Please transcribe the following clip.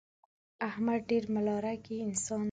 احمد ډېر ملا رګی انسان دی.